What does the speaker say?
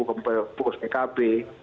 kemudian pengurus ekb